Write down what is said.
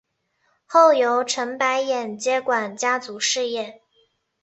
后由陈柏廷接管家族事业。